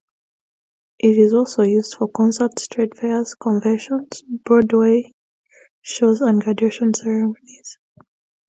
It is also used for concerts, trade fairs, conventions, Broadway shows and graduation ceremonies.